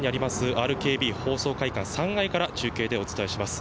ＲＫＢ放送会館３階から中継でお伝えします。